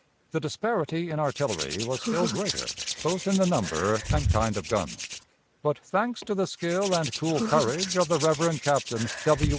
The disparity in artillery was still greater, both in the number and kind of guns; but, thanks to the skill and cool courage of the Rev. Captain W.